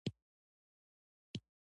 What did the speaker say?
د لاسونو د سپینولو لپاره د کچالو اوبه وکاروئ